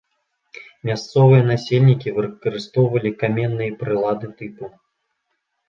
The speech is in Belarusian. Мясцовыя насельнікі выкарыстоўвалі каменныя прылады тыпу.